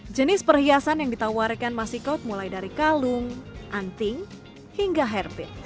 jenis perhiasan yang ditawarkan masikot mulai dari kalung anting hingga herbit